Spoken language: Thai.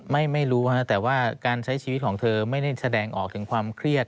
ไม่รู้แต่ว่าการใช้ชีวิตของเธอไม่ได้แสดงออกถึงความเครียด